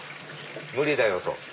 無理だよ！と。